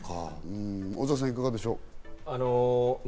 小澤さん、いかがでしょう？